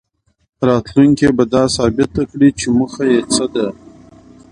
راتلونکې به دا ثابته کړي چې موخه یې څه ده.